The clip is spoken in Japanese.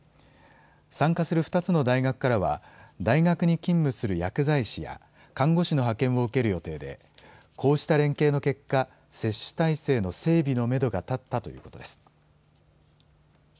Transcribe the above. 参加する２つの大学からは、大学に勤務する薬剤師や看護師の派遣を受ける予定で、こうした連携の結果、接種体制の整備のメドが立ったということです。